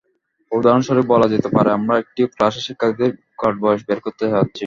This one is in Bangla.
উদাহরণস্বরূপ বলা যেতে পারে আমরা একটি ক্লাসের শিক্ষার্থীদের গড় বয়স বের করতে চাচ্ছি।